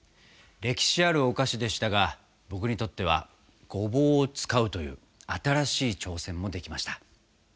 歴史あるお菓子でしたが僕にとってはごぼうを使うという新しい挑戦もできました。